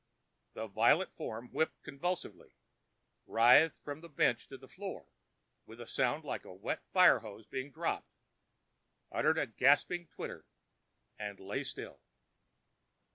The violet form whipped convulsively, writhed from the bench to the floor with a sound like a wet fire hose being dropped, uttered a gasping twitter, and lay still.